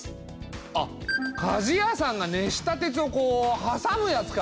あっかじやさんが熱した鉄をこうはさむやつか。